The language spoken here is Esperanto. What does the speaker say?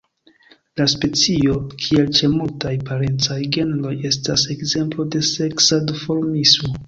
La specio, kiel ĉe multaj parencaj genroj, estas ekzemplo de seksa duformismo.